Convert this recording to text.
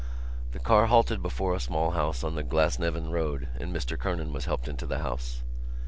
The car halted before a small house on the Glasnevin road and Mr Kernan was helped into the house.